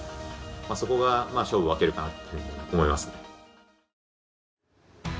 そこが勝負を分けるかなっていうふうに思いますね。